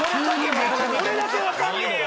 これだけわかんねえよ！